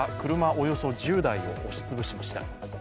およそ１０台を押し潰しました。